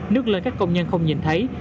nước lên các công nhân không nhìn thấy